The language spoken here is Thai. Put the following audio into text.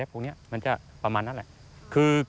พวกนี้มันจะประมาณนั้นแหละ